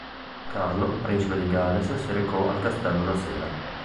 Carlo, principe di Galles si recò al castello la sera.